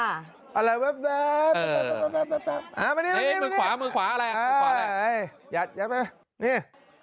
อะไรแบบเออมือขวาแหละยัดยัดไหมนี่